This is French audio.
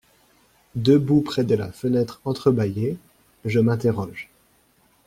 Debout près de la fenêtre entrebâillée, je m’interroge.